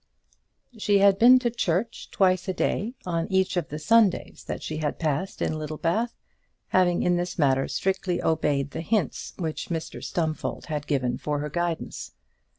She had been to church twice a day on each of the Sundays that she had passed in Littlebath, having in this matter strictly obeyed the hints which Mr Stumfold had given for her guidance.